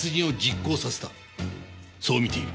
そう見ている。